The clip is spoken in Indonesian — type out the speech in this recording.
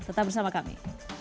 tetap bersama kami